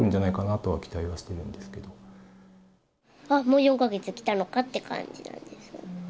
もう４カ月来たのかって感じなんです